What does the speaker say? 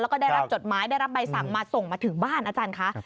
แล้วก็ได้รับจดหมายได้รับใบสั่งมาส่งมาถึงบ้านอาจารย์คะ